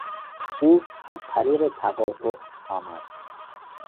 او از طریق تقاطع آمد.